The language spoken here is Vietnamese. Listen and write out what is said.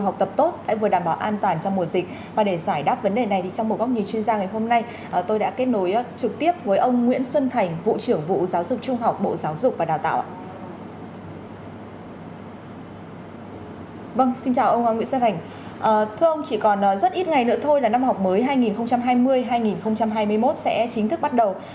còn rất ít ngày nữa thôi là năm học mới hai nghìn hai mươi hai nghìn hai mươi một sẽ chính thức bắt đầu